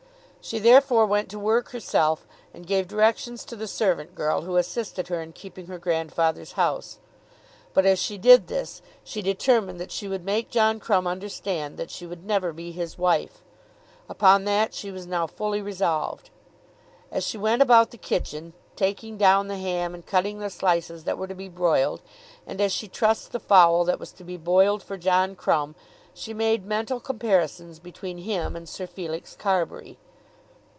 She therefore went to work herself, and gave directions to the servant girl who assisted her in keeping her grandfather's house. But as she did this, she determined that she would make John Crumb understand that she would never be his wife. Upon that she was now fully resolved. As she went about the kitchen, taking down the ham and cutting the slices that were to be broiled, and as she trussed the fowl that was to be boiled for John Crumb, she made mental comparisons between him and Sir Felix Carbury.